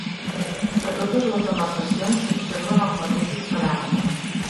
A totes les demarcacions s'observen els mateixos paràmetres.